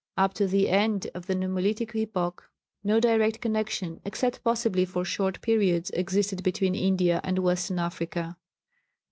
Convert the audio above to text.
Up to the end of the Nummulitic epoch no direct connexion (except possibly for short periods) existed between India and Western Asia."